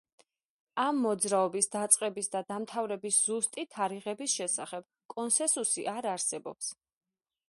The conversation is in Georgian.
ამ მოძრაობის დაწყების და დამთავრების ზუსტი თარიღების შესახებ კონსენსუსი არ არსებობს.